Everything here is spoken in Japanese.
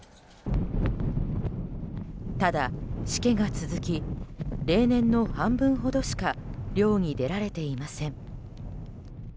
ただ、しけが続き例年の半分ほどしか漁に出られていません。